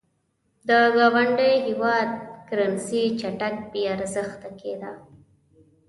د ګاونډي هېواد کرنسي چټک بې ارزښته کېده.